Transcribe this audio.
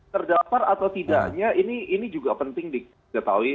terdapar atau tidaknya ini juga penting diketahui